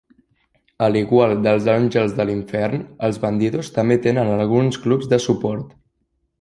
A l'igual dels Àngels de l'Infern, els Bandidos també tenen alguns clubs de suport.